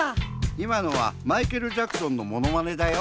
いまのはマイケル・ジャクソンのものまねだよ。